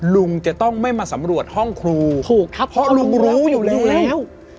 ลุงจะต้องไม่มาสำรวจห้องครูถูกครับเพราะลุงรู้อยู่แล้ว